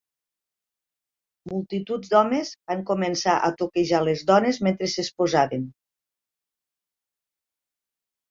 Multituds d'homes van començar a toquejar les dones mentre s'exposaven.